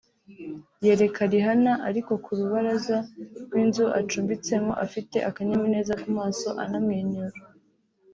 yereka Rihanna ari ku rubaraza rw’inzu acumbtsemo afite akanyamuneza ku maso anamwenyura